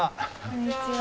こんにちは。